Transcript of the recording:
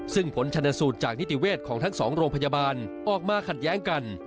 ซึ่งผลชนสูตรจากนิติเวศของทั้ง๒โรงพยาบาลออกมาขัดแย้งกัน